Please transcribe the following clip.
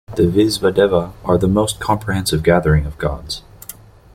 The Visvedevas are the most comprehensive gathering of gods.